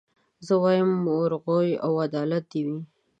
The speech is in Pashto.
زه وايم وروغي او عدالت دي وي